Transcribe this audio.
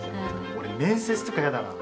俺面接とかやだなあ。